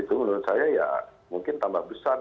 itu menurut saya ya mungkin tambah besar